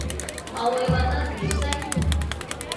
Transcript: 我會覺得婉惜